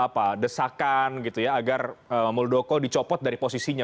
misal desakan agar muldoko dicopot dari posisinya